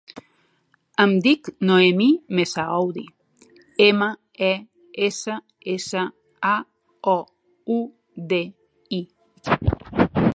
Em dic Noemí Messaoudi: ema, e, essa, essa, a, o, u, de, i.